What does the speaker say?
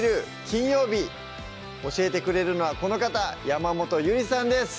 金曜日」教えてくれるのはこの方山本ゆりさんです